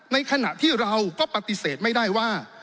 ในขณะที่เราก็ปฏิเสธไม่ได้ว่า